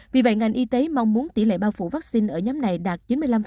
vì vậy ngành y tế mong muốn tỷ lệ bao phủ vaccine ở nhóm này đạt chín mươi năm